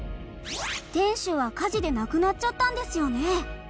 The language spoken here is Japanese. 天守は火事でなくなっちゃったんですよね。